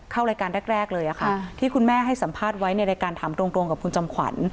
เข้ารายการแรกเลยค่ะที่คุณแม่ให้สัมภาษณ์ไว้ในรายการถามตรงกับคุณจอมขวัญ